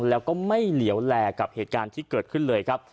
แล้วก็ไม่เหลวแลกับเหตุการณ์ที่เกิดขึ้นเลยครับ